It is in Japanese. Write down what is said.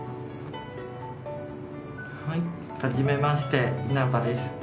はじめまして稲葉です。